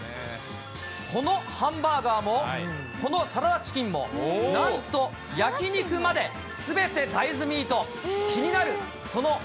このハンバーガーも、このサラダチキンも、なんと、焼き肉まで、すべて大豆ミート。